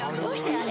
あれ。